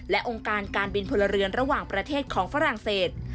และองค์การการบินพลเรือนระหว่างประเทศของฝรั่งเศส